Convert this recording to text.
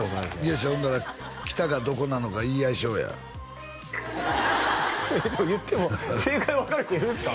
よしほんなら北がどこなのか言い合いしようや言っても正解分かる人いるんですか？